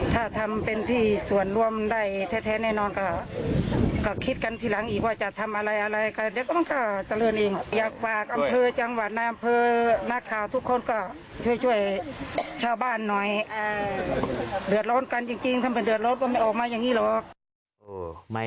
ถ้าทำเป็นที่ส่วนร่วมได้แท้แน่นอนก็คิดกันทีหลังอีกว่าจะทำอะไร